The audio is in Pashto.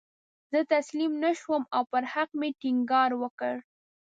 زه تسلیم نه شوم او پر حق مې ټینګار وکړ.